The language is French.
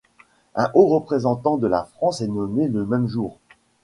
Un Haut-représentant de la France est nommé le même jour.